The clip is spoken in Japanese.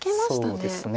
そうですね。